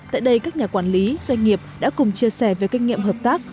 tại đây các nhà quản lý doanh nghiệp đã cùng chia sẻ về kinh nghiệm hợp tác